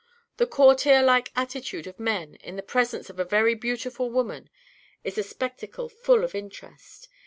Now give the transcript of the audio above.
The courtier like attitude of men, in the presence of a very beautiful woman, is a spectacle full of interest.